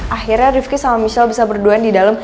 akhirnya rifki sama michelle bisa berduaan di dalam